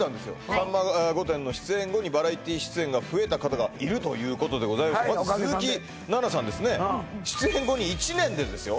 「さんま御殿」の出演後にバラエティー出演が増えた方がいるというのではいおかげさんでまず鈴木奈々さんですね出演後に１年でですよ？